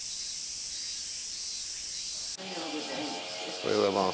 おはようございます。